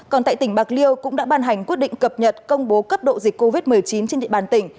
còn tại tỉnh bạc liêu cũng đã ban hành quyết định cập nhật công bố cấp độ dịch covid một mươi chín trên địa bàn tỉnh